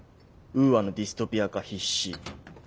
ウーアのディストピア化必至。